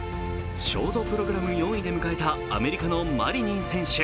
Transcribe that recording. ショートプログラム４位で迎えたアメリカのマリニン選手。